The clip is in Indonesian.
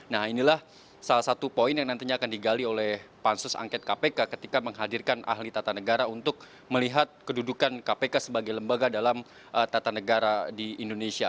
nah inilah salah satu poin yang nantinya akan digali oleh pansus angket kpk ketika menghadirkan ahli tata negara untuk melihat kedudukan kpk sebagai lembaga dalam tata negara di indonesia